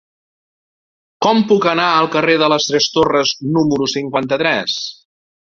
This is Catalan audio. Com puc anar al carrer de les Tres Torres número cinquanta-tres?